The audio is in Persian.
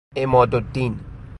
عماد الدین